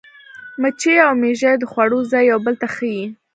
مچۍ او مېږي د خوړو ځای یو بل ته ښيي.